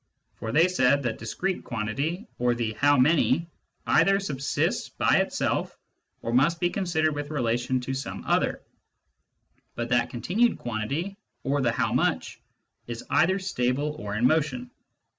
For they said that discrete quantity, or the how many, either subsists by itself or must be considered with relation to some other ; but that continued quantity, or the how muchf is either stable or in motion.